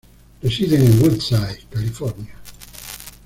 Residen en Woodside, California.